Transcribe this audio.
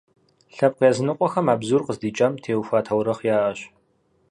Лъэпкъ языныкъуэхэм а бзур къыздикӏам теухуа таурыхъ яӏэщ.